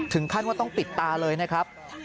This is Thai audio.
ถึงขั้นว่าต้องปิดตาเลยนะครับ